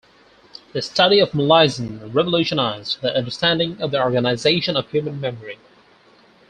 The study of Molaison revolutionized the understanding of the organization of human memory.